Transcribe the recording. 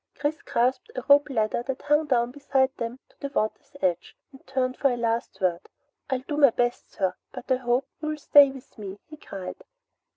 Chris grasped a rope ladder that hung down beside them to the water's edge and turned for a last word. "I'll do my best, sir, but I hope you'll stay with me!" he cried.